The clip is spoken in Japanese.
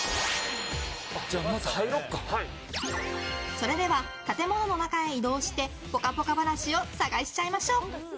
それでは建物の中へ移動してぽかぽか話を探しちゃいましょう。